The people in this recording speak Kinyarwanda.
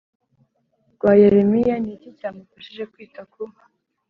rwa Yeremiya Ni iki cyamufashije kwita ku